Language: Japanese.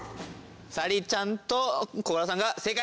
咲莉ちゃんとコカドさんが正解！